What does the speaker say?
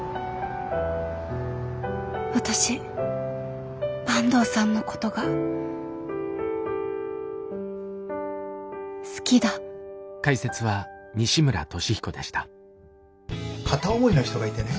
私坂東さんのことが好きだ片思いの人がいてね。